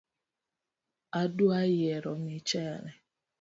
Adwa yiero michele